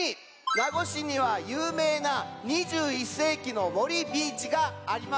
名護市にはゆうめいな２１世紀の森ビーチがあります。